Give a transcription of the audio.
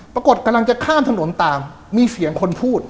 กำลังจะข้ามถนนตามมีเสียงคนพูด